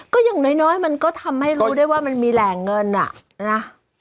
ก็อย่างน้อยทำให้รู้ได้ว่ามันมีแรงเงินน่ะ